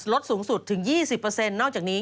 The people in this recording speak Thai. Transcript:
ลดสูงสุดถึง๒๐นอกจากนี้